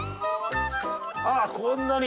ああこんなに！